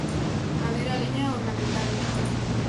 Madera, leña, ornamental.